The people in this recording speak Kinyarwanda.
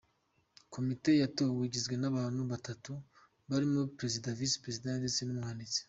Komite yatowe igizwe n’abantu batatu, barimo perezida, vice-perezida ndetse n’umwanditsi.